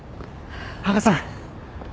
羽賀さん